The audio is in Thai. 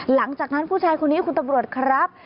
หลังจากนั้นผู้ชายคนนี้คุณตำรวจครับ